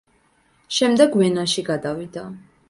შემდეგ ვენაში გადავიდა.